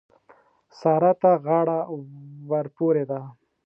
سارا ته غاړه ورپورې ده.